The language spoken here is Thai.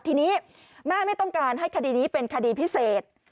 ทีนี้แม่ไม่ต้องการให้คดีนี้เป็นคดีพิเศษ